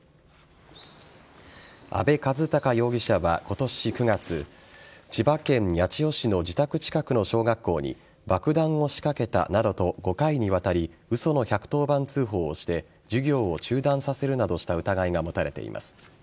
阿部一貴容疑者は今年９月千葉県八千代市の自宅近くの小学校に爆弾を仕掛けたなどと５回にわたり嘘の１１０番通報をして授業を中断させるなどした疑いが持たれています。